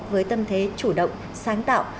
với tâm thế chủ động sáng tạo